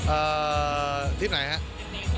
เอ่อทริปไหนครับ